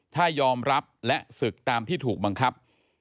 ถ้ายอมรับและศึกตามที่ถูกบังคับ